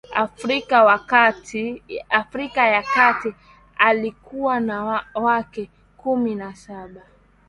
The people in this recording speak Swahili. Afrika ya Kati Alikuwa na wake kumi na saba